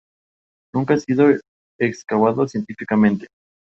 Con un pecho y hombros amplios, estrecha cintura y piernas ligeramente inclinadas.